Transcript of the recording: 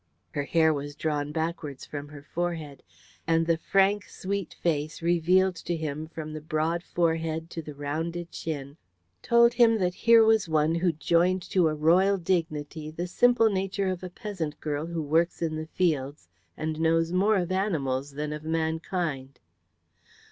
Her hair was drawn backwards from her forehead, and the frank, sweet face revealed to him from the broad forehead to the rounded chin told him that here was one who joined to a royal dignity the simple nature of a peasant girl who works in the fields and knows more of animals than of mankind.